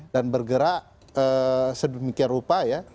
dan bergerak sedemikian rupa ya